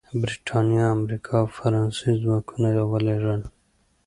برېټانیا، امریکا او فرانسې ځواکونه ولېږل.